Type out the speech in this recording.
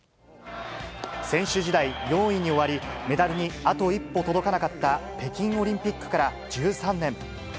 選手時代、４位に終わり、メダルにあと一歩届かなかった北京オリンピックから１３年。